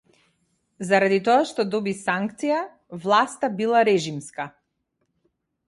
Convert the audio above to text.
Заради тоа што доби санкција, власта била режимска